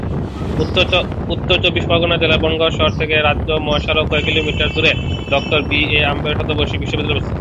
উত্তর চব্বিশ পরগনা জেলার বনগাঁ শহর থেকে রাজ্য মহাসড়ক হয়ে কিলোমিটার দূরে ডক্টর বি আর আম্বেদকর শতবার্ষিকী মহাবিদ্যালয়টি অবস্থিত।